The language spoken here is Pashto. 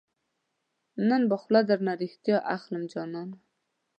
نن به خوله درنه ريښتیا اخلم جانانه